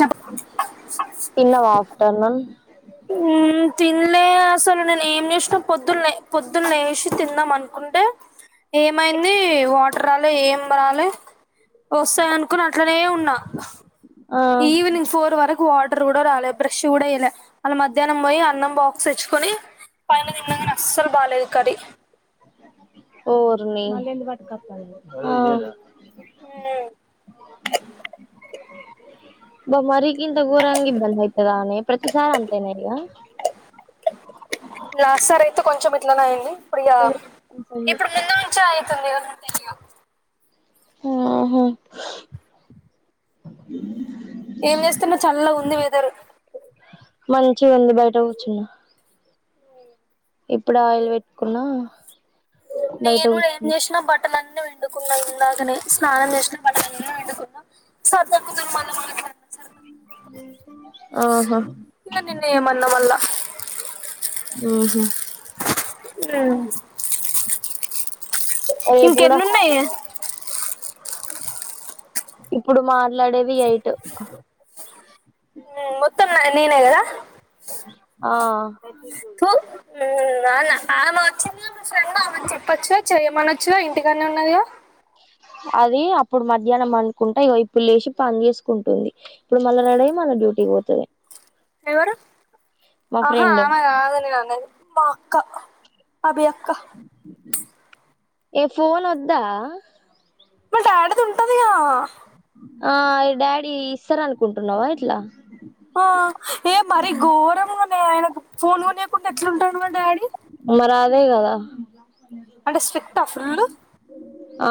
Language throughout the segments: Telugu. చెప్ప తిన్నవా ఆఫ్టర్నూన్ మ్మ్ తినలే అసలు నేను ఏం చేేసినా పొద్దున్న పొద్దున్న లేేసి తిందాం అనుకుంటే ఏమైంది వాటర్ రాలే ఏం రాలే వస్తయి అనుకుని అట్లనే ఉన్నా ఆ ఈవెనింగ్ ఫోర్ వరకు వాటర్ కూడా రాలే బ్రష్ కూడ చేయలే వాళ్ళ మధ్యాహ్నం పోయి అన్నం బాక్స్ తెచ్చుకొని పైనన్నంగా అస్సలు బాలేదు కర్రీ ఓర్ని ఆ హ్మ్ బ మరి ఇంత గోరంగా ఇబ్బంది అయితదానే ప్రతిసా అంతేనా ఇగ ఎట్లానాయండి అప్పుడి ఇప్పుడు ముందు నుంచి తంది తెని ఆహా ఏం చేస్తున్న చల్ల ఉంది వెదర్ మంచి ఉంది బయట కూర్చున్నా ఇప్పుడు ఆయిల్ పెట్టుకున్నా బయట నేను ఏం కూర్చున్నా చేసినా బట్టలుంత కున్నా ఇ స్నానం చేసిన పకున్నా ఆహా ఇగ నిన్ను ఏమన్నా మళ్ళా ఆ ఓహా అ రేపు కూడా ఇంకెన్న ఉన్నాయి ఇప్పుడు మా లడవియయిట్ ఆ మొత్తం నేనే కదా ఆ తూ నానా ఆమ వచ్చింద మా ఫ్రెండ్ అమెని చెప్పొచ్చువా చేయమనచ్చవా ఇంటికనే ఉన్నది అది అప్పుడు మధ్యాహ్నం అనుకుంటే వైపుల్ లేచి పని చేసుకుంటుంది ఇప్పుడు మళ్ళా రెడీ అయి డ్యూటీకి పోతుంది ఎవరు ఆహా ఫ్రెండ్ ఆమె కాదని మా అక్క అభి అక్క ఏ ఫోన్ వద్దా మా డాడీది ఉంటదిగా ఆ డాడీ ఇస్సారు అనుకుంటున్నావా ఇట్లా ఆ ఏ మరి గోరంగ్ దే ఆయనకు ఫోన్ కొనియకుండా ఎట్లుంటాడుమార్ డాడీ మే కదా అంటే స్ట్రిక్టా ఫుల్ ఆ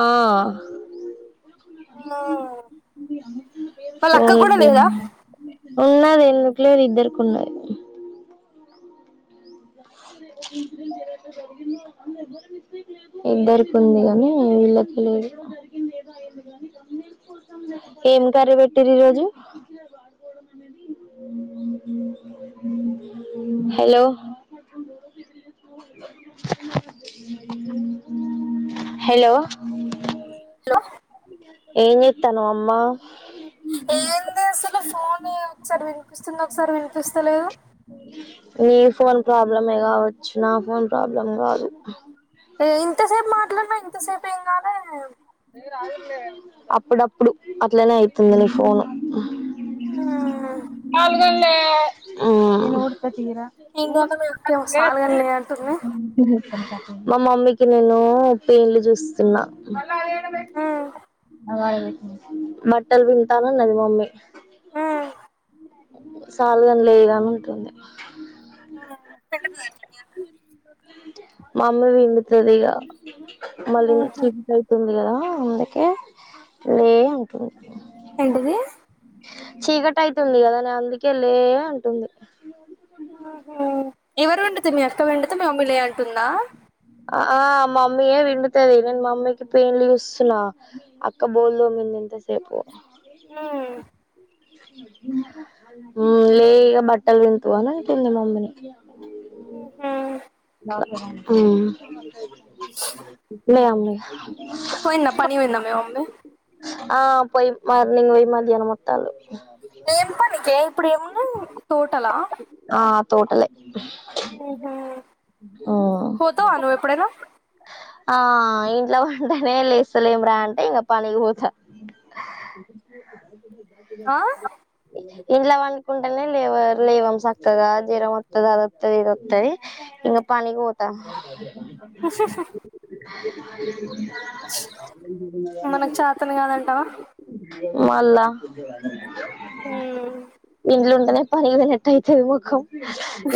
వాళ్ళ అక్క కూడ లేద ఉన్నాది ఎందుకు లే ఇద్దరుకి ఉన్నాది ఇద్దరుకుంది కాని వీళ్ళకి లేదు ఏం కర్రీ పెట్టరు ఈరోజు హలో హలో ఏన్ జెత్తానవ్ అమ్మ ఏందే అసల్ లు ఫోనే ఒకసారి వినిపిస్తుంది ఒకసారి వినిపిస్తలేదు నీ ఫోన్ ప్రాబ్లమే కావోచ్చు నా ఫోన్ ప్రాబ్లమ్ బ్లం కాదు ఏ ఇంతసేపు మాట్లాడినా ఇంతసేపు ఏం కాలే అప్పుడప్పుడు అట్లనే అయితుంది నీ ఫోను ఉహ్ తింది రా ఏంటంటే మీ అక్క ఏమో సాలుగాని లేనట్టుంది [unintelligible] మా మమ్మీకి నేను పెయిన్లు చూస్తున్నా అ బట్టల్ విండుత అన్నది మమ్మీ సాలుగాని లేగా అని అంటుంది మమ్మీ విండుతదిగా మళ్ళీ చీకటయితుంది కదా అందుకే లే అంటుంది ఏంటిది చీకటి అయితుంది కదా నే అందుకే లే అంటుంది ఉహు ఎవరు విండుతరు మీ అక్క విండుత మమ్మీ లే అంటుందా ఆ మమ్మీయే విండుతుది నేను మమ్మీకి పెయిన్లు చూస్తున్నా అక్క బోల్డోమింది ఇంతసేపు లే ఇగ బట్టలు విండుదువ్ అని ఉంటుంది మమ్మీని ఉహు ఉమ్ లే అమ్ అ [inaudible] పోయింద పని వయింద మేమ్మె ఆ పోయి్ మార్నింగ్ పోయి మధ్యానం మొత్తం [inaudible] నేం పనికే ఇప్పుడు ఎన్న టోటలా [inaudible] మ్మ్ పోత వాను ఎప్పుడ నా ఆ ఇంట్లో వంటనే లేస్తలేం రా అంటే ఇంకా పనిగిపోతా [inaudible] ఆ ఇంలా వండుకుంటేనే లేవ లేవ సక్కదా జీరం వస్తుంది అదొస్తుది ఇదిొస్తుది ఇంకా పనికి పోతా ఉహుహు హా [unintelligible] మనకు చాతన్ కాదంటావా మల్లా [inaudible] ఉమ్ ఇల్లుం అ పని నెట్టయితే వి ముఖం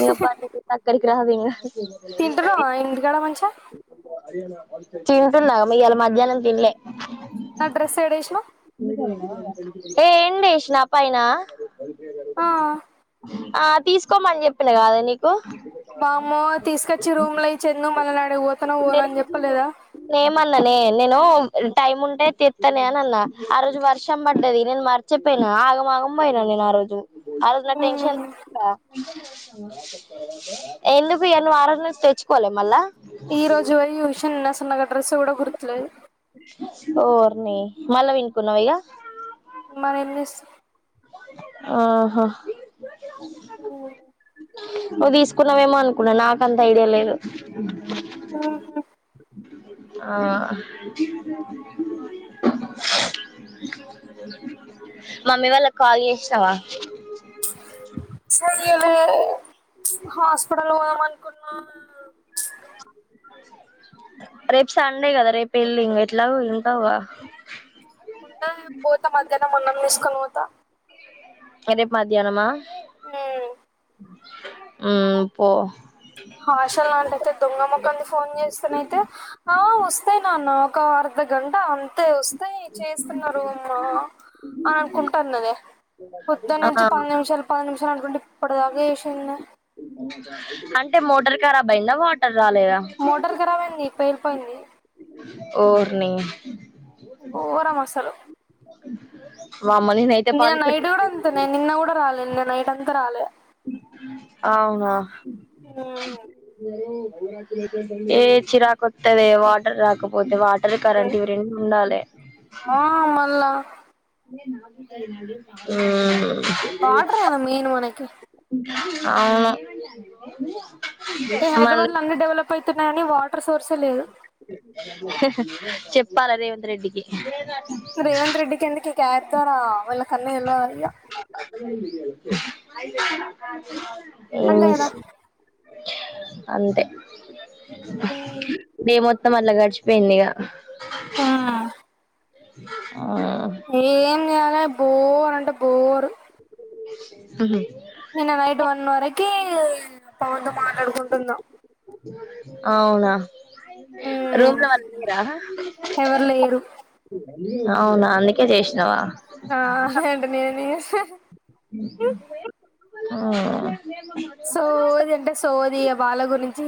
ఇ ప తక్కడి [unintelligible] [inaudible] తింటరు ఇంటికాడ మంచి తింటున్నా మీ ఇళ మధ్యాహ్నం తినలే నా డ్రెస్ ఏడషు [inaudible] ఏ ఏంటిష్ నాప్పయినా ఆ ఆ తీసుకోమని చెప్పిన కాదు నీకు బామ్మో తీసుకొచ్చి రూమ్ లో ఇచ్చందు మళ్ళీ నాడి పోతాన్నా పోను అని లేదు చెప్పలేదా టైమ్ ఉంటే తితనే అన అన్న ఆ రోజు వర్షం ప అంటది నేను మర్చిపోయిను ఆగమాగ పోయినాను నేను ఆ రోజు అ నా టెన్షన్ ఉమ్ ఎందుకు ఎన్న వారాల నుంచి తెచ్చుకోవాలి మళ్ళా ఈ రోజు వ ఉషన్ ఎన్న సన్న కట్టా అడ్రస్ కూడా గుర్తులే రిని మళ్ళ వినుకున్నా వైగా ఇమా ఎన్నిస్ ఆహో అఓ నువ్వు తీసుకున్నావేమో అనుకున్నా నాకంత ఐడియా లేదు వా హ ఆ ఆ మమ్మీ వాళ్ళ కాల్ చేసినవా సరి [unintelligible] హాస్పిటల్ పోదమం రేపు సండే గదా, రేపు ఎల్లింగా ఎట్లాగొ వెళ్తావుగా. ఉండను నేను పోతా మధ్య నా మునమ్ తీసుకొని పోతా ఆ రేపు మధ్యానమా హ్మ్మ్ ఉమ్ పో హషల్లాంటయితే దొంగ ముఖంది, ఫోన్ చేస్తానైతే. ఆ వస్తే నాన్న. ఒక అర్ధగంట అంతే వస్ ట్రై చేస్తున్నారు. రామ్మా అని అనుకుంటన్నది, పొద్దున్నుంచి ఆ పది నిమిషాలు, పది నిమిష. చాల గుండిప్ అంటే మోటరి కరాబ్ అయిందా వాటర్ రాలేదా మోటార్ కరాబైంది పేల్పోయింది. ఓర్నీ ఘోరం అసలు [unintelligible] అ నిన్న నైటు కూడా అంతె నేను నిన్న కూడ రాలిందరూ. నైట్ అంతా రాలే అవునా ఏ చీరాకొత్తదే వాటర్ రాకపో పోతే వాటర్ కరెంట్ ఇవి రెండు ఉండాలె. ఆ మళ్ళా ఉ హు వాటర్ ఏ నా మెయిన్ మనకి అవును ఈ మళ్ళీ హైదరాబాద్ లో అన్ని డెవలప్ అయితున్నాయని, వాటర్ సోర్స్ ఏ లేదు. ప్పాలా రేవంత్ రెడ్డికి రేవంత్ రెడ్డి, కేందుకిగా యాప్ ద్వారా వాళ్ల కన్నీ తెల్వదా ఇగ? [inaudible] అఐదు [unintelligible] ఏం అంతే కదా చేస్తు అంతే డే మొత్తం అట్లా గడిచిపోయింది ఇగ ఆ ఆ ఏం చేయలే బోర్ అంటే బోర్ ఆహా నిన్న నైట్ వన్ వరకి పవన్తో మాట్లాడుకుంట ఉన్న అవునా రూమ్ మ్మ్ లో వాళ్ళు లేరా ఎవరు లేరు అవునా అందుకే చేసినావా ఆ లేదంటే నేను ఎందుకు చేస్తా హ ఆ సోది అంటే సోది ఇగ వాళ్ళ గురించి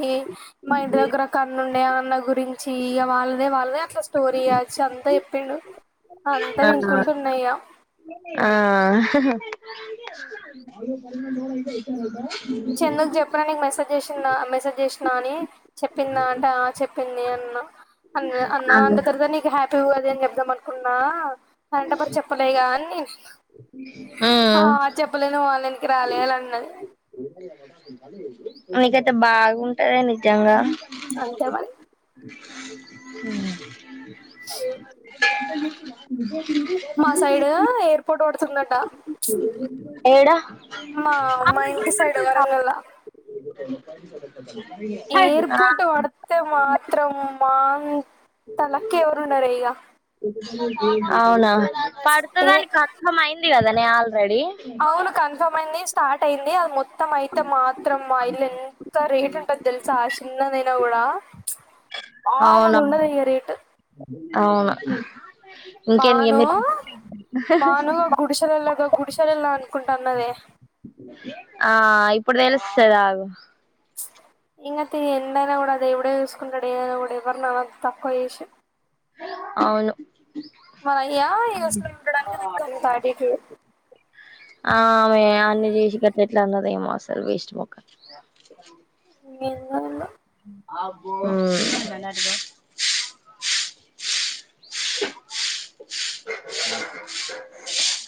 మా ఇంటి దగ్గర అక్క అన్న ఉండే అన్న గురించి ఇక వాళ్ళదే వాళ్ళదే అట్లా స్టోరీ ఇయచ్చు అంతా చెప్పిండు అంతా వినుకుంటున్నా ఇగ ఆ ఆ అయిా చందుకు చెప్పా నీకు మెసేజ్ చేసిన్నా మెసేజ్ చేసినా అని చెప్పిందా అంట చెప్పింది అన్నా ఆ అన్నా ఆ అంత త్వరగా నీకు హ్యాపీ టు అదే అని చెప్దాం అనుకున్నా పంటపరి చెప్పులే కాని నేను ఆ కి రాలేల అన్నది నీకైతే బాగుంటద నిజంగా అంతే మరి ఉమ్ ఉమ్ మా సైడ్ ఎయిర్ పోర్ట్ పడుతుందంట ఏడా మా మా ఇంటి సైడ్ వరంగల్ లో ఎయిర్పోర్ట్ వడ్తే మాత్రం పా అంత లక్ ఎవరు ఉన్నారే ఇగ అవునా ఏ పడుతుదానికి కన్ఫర్మ్ అయింది కదా నే ఆల్రెడీ అవును కన్ఫర్మ్ అయింది. స్టార్ట్ అయింది అది మొత్తం అయితే మొత్తం ఇల్లు ఎంత రేట్ ఉంటుంది తెలుసా ఆ చిన్నదైనా కూడా అవును మామూలుగా ఉండదు ఇంకా రేట్ అవును ఇంకేంది బాను మీరు బాను గుడిసెలలా గుడిసాల వెళ్లా అనుకుంటాన్నదే ఆ ఇప్పుడు తెలుస్తది అగు ఇకతే ఎండైనా కూడా అది దేవుడే చూసుకుంటాడు ఏనా కూడా ఎవరిన తక్కువ చేసి అవును మనయ్యా ఇగ అసలు ఉండడానికి దానికి అంత ఆటిట్యూడ్ ఆమె అన్న చేసి ఎట్లా అన్నదొ ఏమో అసలు వేస్ట్ మొక్కలు [unintelligible] అబోటుగా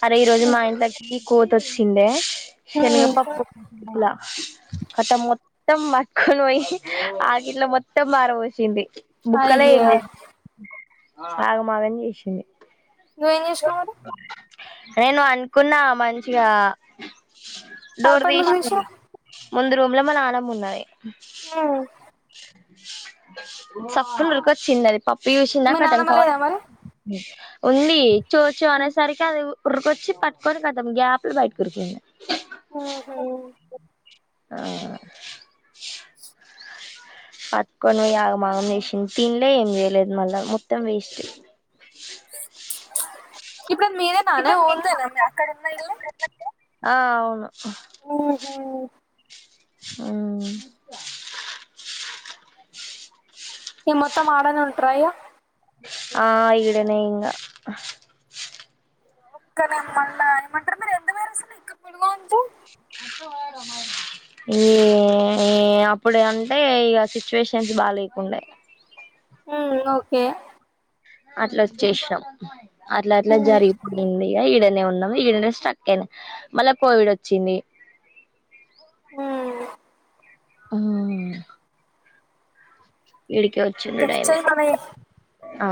అరే ఈ రోజు మా ఇంట్లకి కోతి వసిందే హ్మ్ శనగపప్పు [unintelligible] కట్టా మ మొత్తం మకులు పోయి ఆగిట్లో మొత్తం పరవోసింది బుక్కలా ఏం అయ్యో ఆగం ఆగం చేసింది [unintelligible] మరి నేను అనుకున్నా మంచిగా డోర్ తలుపు ఎందుకు తీసింది తీసినవ్ ముందు రూమ్ లో మా నాన్నమ్మ ఉన్నది మ్మ్ [unintelligible] చిన్నది పాప మీ [unintelligible] నానమ్మ లేదా మరి? ఉంది చొచొ అనేసరికి అది పడుకొచ్చి పట్కొని కదాం గ్యాప్లు బయటకురుకు ఉహు ఆ పట్టుకొని ఆగమాగం చేసింది తినిలే ఏం చేయలేదు మళ్ళా మొత్తం వేస్ట్ ఇప్పుడు మీరే నానే ఇప్పుడు మీరు ఉందే అక్కడ [unintelligible] ఆ అవును ఉహు మ్మ్ ఇగ మొత్తం ఆడనే ఉంటార ఇగ ఆ ఇడనే ఇకా ఒక్కలే మళ్ళా ఏమంటారు మరి ఎంత వేరు అసలు ఇక్కడ పడుగా ఉంటే ఈ ఈ అప్పుడు అంటే ఇక సిచ్యువేషన్స్ బాలేకుండె మ్మ్ ఓకే అట్ల వచ్చేశినం అట్లట్ల జరిగిపోతుంది ఇగ ఈడ ఈడనే ఉన్నాం ఈడనే స్ట్రక్ అయిన మళ్ళా కోవిడ్ వచ్చింది హ్మ్ ఆ ఇడికి వచ్చుండు చెక్ డైలే చెయ్ మళ్ళా చెయ్ ఆ